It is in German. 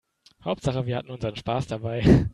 Hauptsache wir hatten unseren Spaß dabei.